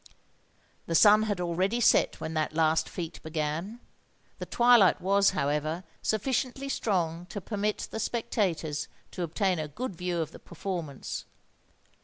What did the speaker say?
The sun had already set when that last feat began: the twilight was, however, sufficiently strong to permit the spectators to obtain a good view of the performance.